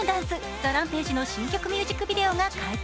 ＴＨＥＲＡＭＰＡＧＥの新曲ミュージックビデオが解禁。